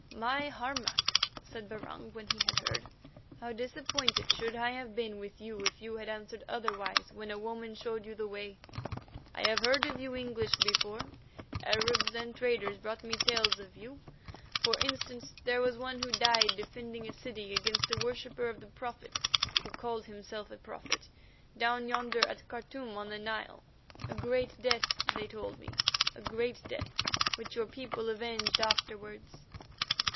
"My Harmac," said Barung when he had heard, "how disappointed should I have been with you if you had answered otherwise when a woman showed you the way. I have heard of you English before—Arabs and traders brought me tales of you. For instance, there was one who died defending a city against a worshipper of the Prophet who called himself a prophet, down yonder at Khartoum on the Nile—a great death, they told me, a great death, which your people avenged afterwards.